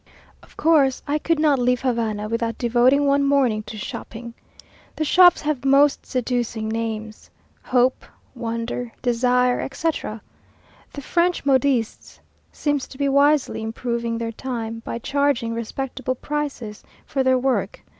Of course I could not leave Havana without devoting one morning to shopping. The shops have most seducing names Hope, Wonder, Desire, etc. The French modistes seem to be wisely improving their time, by charging respectable prices for their work.